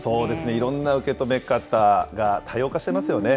いろんな受け止め方が多様化してますよね。